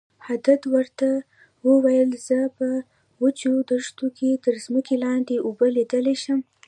هدهد ورته وویل زه په وچو دښتو کې تر ځمکې لاندې اوبه لیدلی شم.